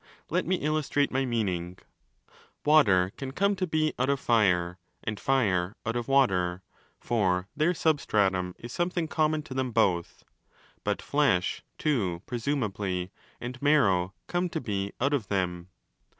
Let me illustrate my meaning. Water can come to be out of Fire and Fire out of Water; for their substratum is something a, common to them both. But flesh too, presumably, and marrow come to be out of them.